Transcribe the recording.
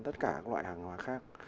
tất cả các loại hàng hóa khác